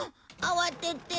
慌てて。